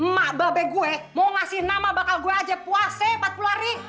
mak babek gue mau ngasih nama bakal gue aja puase patpulari